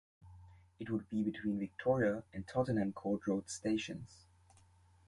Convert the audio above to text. It would be between Victoria and Tottenham Court Road stations.